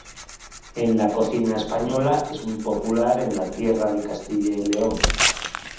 En la cocina española es muy popular en la tierra de Castilla y León.